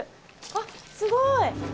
あっすごい！